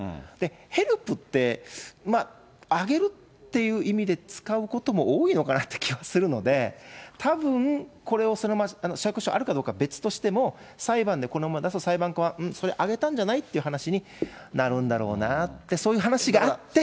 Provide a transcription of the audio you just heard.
ヘルプって、まあ、あげるっていう意味で使うことも多いのかなって気はするので、たぶんこれを、借用書あるかどうかは別としても、裁判でこのままだと、裁判官、うん？それはあげたんじゃない？っていう話になるんだろうなって、そういう話があって。